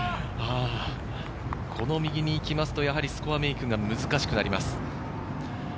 この右に行きますと、やはりスコアメークが難しくなります。